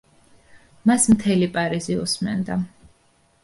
მას მთელი პარიზი უსმენდა.